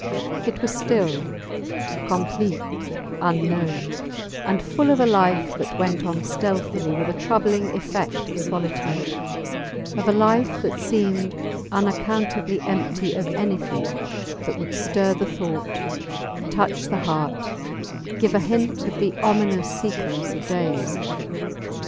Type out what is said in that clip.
It was still, complete, unknown, and full of a life that went on stealthily with a troubling effect of solitude; of a life that seemed unaccountably empty of anything that would stir the thought, touch the heart, give a hint of the ominous sequence of days.